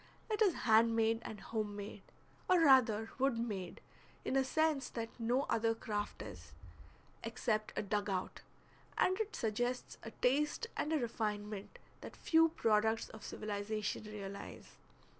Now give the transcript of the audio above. It is hand made and home made, or rather wood made, in a sense that no other craft is, except a dug out, and it suggests a taste and a refinement that few products of civilization realize.